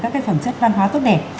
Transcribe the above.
các cái phẩm chất văn hóa tốt đẹp